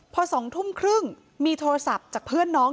พอ๒ทุ่มครึ่งมีโทรศัพท์จากเพื่อนน้อง